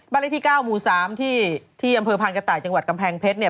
เลขที่๙หมู่๓ที่อำเภอพานกระต่ายจังหวัดกำแพงเพชรเนี่ย